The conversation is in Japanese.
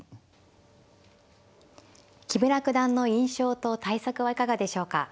木村九段の印象と対策はいかがでしょうか。